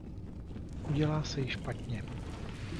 Udělá se jí špatně.